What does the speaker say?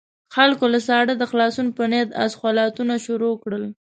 خلکو له ساړه د خلاصون په نيت اسخولاتونه شروع کړل.